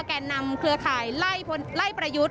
แก่นำเครือข่ายไล่ประยุทธ์